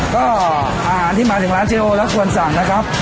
ก็อาหารที่มาถึงร้านเจโอและควรสั่งนะครับ